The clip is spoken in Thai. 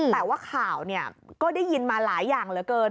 แต่ว่าข่าวก็ได้ยินมาหลายอย่างเหลือเกิน